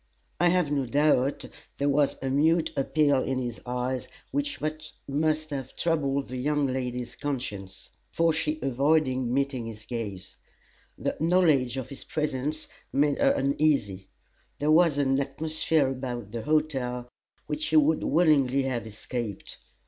I have no doubt there was a mute appeal in his eyes which must have troubled the young lady's conscience; for she avoided meeting his gaze. The knowledge of his presence made her uneasy; there was an atmosphere about the hotel which she would willingly have escaped.